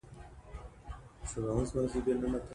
ازادي راډیو د تعلیم پرمختګ او شاتګ پرتله کړی.